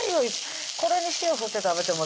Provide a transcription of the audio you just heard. これに塩振って食べてもおいしい